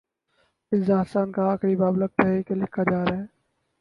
اس داستان کا آخری باب، لگتا ہے کہ لکھا جا رہا ہے۔